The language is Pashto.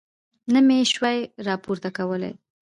نه مې شوای راپورته کولی.